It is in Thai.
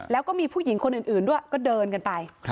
แล้วก็มีผู้หญิงคนอื่นด้วยก็เดินกันไป